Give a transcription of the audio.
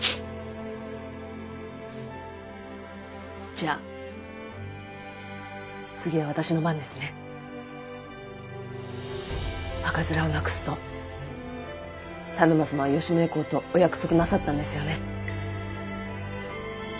じゃ次は私の番ですね。赤面をなくすと田沼様は吉宗公とお約束なさったんですよね。